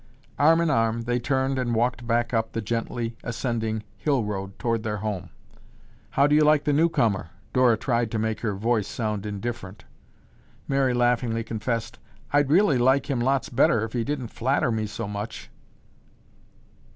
Arm in arm they turned and walked back up the gently ascending hill road toward their home. "How do you like the newcomer?" Dora tried to make her voice sound indifferent. Mary laughingly confessed, "I'd really like him lots better if he didn't flatter me so much."